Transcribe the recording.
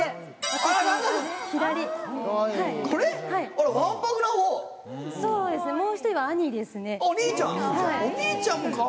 あっお兄ちゃん。